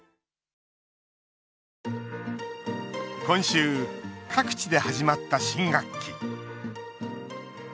今週、各地で始まった新学期。